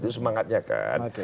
itu semangatnya kan